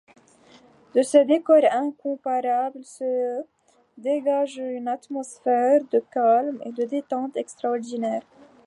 De ce décor incomparable, se dégage une atmosphère de calme et de détente extraordinaire.